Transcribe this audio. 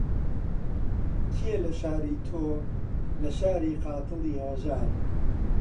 کێ لە شاری تۆ، لە شاری قاتڵی هەژار